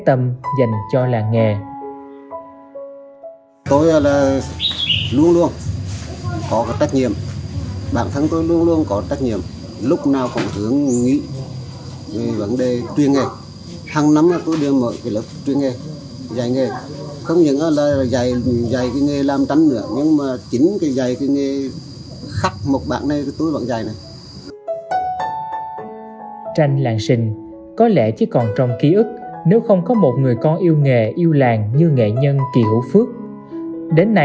tâm dành cho làng nghề tôi là luôn luôn có cái trách nhiệm